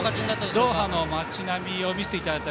ドーハの街並みを見せていただいて。